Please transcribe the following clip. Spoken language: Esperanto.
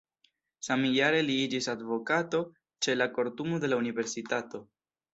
Samjare li iĝis advokato ĉe la kortumo de la universitato.